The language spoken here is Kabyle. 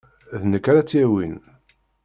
D nekk ara tt-yawin.